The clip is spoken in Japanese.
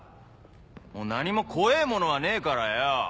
もう何も怖えぇものはねえからよ。